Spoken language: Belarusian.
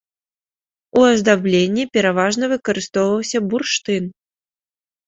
У аздабленні пераважна выкарыстоўваўся бурштын.